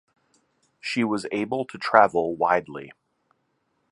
She was able to travel widely.